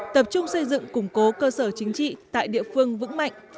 tập trung xây dựng củng cố cơ sở chính trị tại địa phương vững mạnh